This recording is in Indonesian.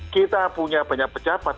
kita punya banyak pejabat